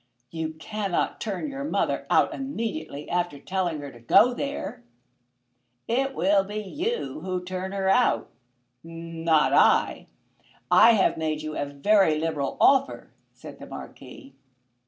"You cannot turn your mother out immediately after telling her to go there?" "It will be you who turn her out, not I. I have made you a very liberal offer," said the Marquis.